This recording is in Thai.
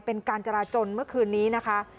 เป็นการจราจนเมื่อคืนนี้นะคะ